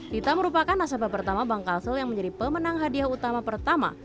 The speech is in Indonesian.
dita merupakan nasabah pertama bank kasel yang menjadi pemenang hadiah utama pertama